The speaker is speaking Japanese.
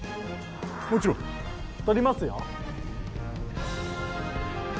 もちろん。取りますよ？